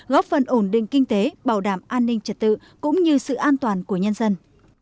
góp phần ổn định kinh tế bảo đảm an ninh trật tự cũng như sự an toàn của nhân dân